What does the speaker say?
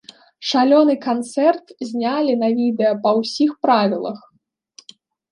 Шалёны канцэрт знялі на відэа па ўсіх правілах!